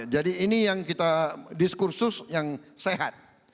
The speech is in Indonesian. jadi ini yang kita diskursus yang sehat